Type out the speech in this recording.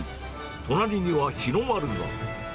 隣には、日の丸が。